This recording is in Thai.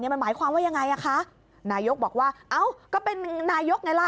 มันหมายความว่ายังไงอ่ะคะนายกบอกว่าเอ้าก็เป็นนายกไงล่ะ